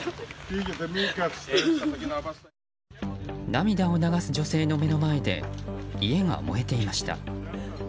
涙を流す女性の目の前で家が燃えていました。